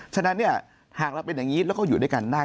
ฉะนั้นเนี่ยหากเราเป็นอย่างนี้แล้วก็อยู่ด้วยกันได้